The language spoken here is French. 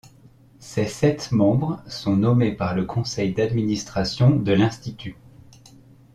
Ses sept membres sont nommés par le conseil d'administration de l'Institut.